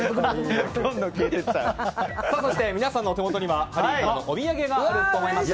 そして皆さんのお手元にはハリーからのお土産があります。